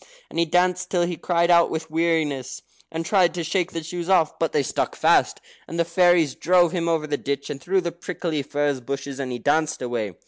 And he danced till he cried out with weariness, and tried to shake the shoes off. But they stuck fast, and the fairies drove him over, the ditch, and through the prickly furze bushes, and he danced away.